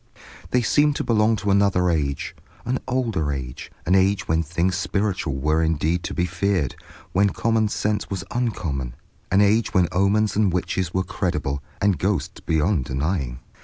They seemed to belong to another age, an older age, an age when things spiritual were indeed to be feared, when common sense was uncommon, an age when omens and witches were credible, and ghosts beyond denying.